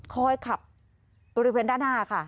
คอยขับตุริเว้นด้านหน้าค่ะ